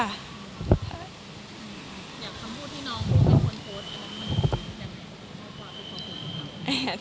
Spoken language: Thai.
อยากคำพูดที่น้องพูดกับคนโพสต์